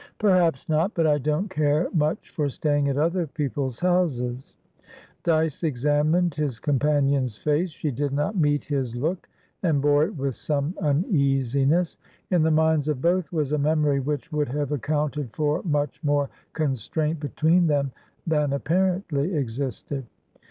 "Perhaps not, but I don't care much for staying at other people's houses." Dyce examined his companion's face. She did not meet his look, and bore it with some uneasiness. In the minds of both was a memory which would have accounted for much more constraint between them than apparently existed.